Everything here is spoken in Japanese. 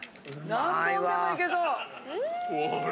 何本でもいけそう。